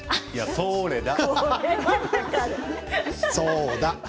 そーうだ。